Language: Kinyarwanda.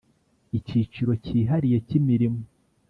Icyiciro cyihariye cy imirimo